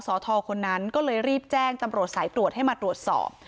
คนนั้นก็เลยรีบแจ้งตำรวจสายตรวจให้มาตรวจสอบ